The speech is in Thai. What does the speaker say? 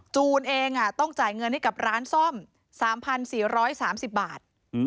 จูนเองต้องจ่ายเงินให้กับร้านซ่อม๓๔๓๐บาท